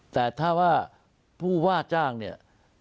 แต่ถ้าว่าผู้ว่าจ้างเนี่ย